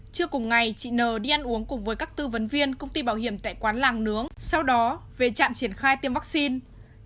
chưa cùng ngày chị nờ đi ăn uống cùng với các tư vấn viên công ty bảo hiểm tại quán làng nướng sau đó về trạm triển khai tiêm vaccine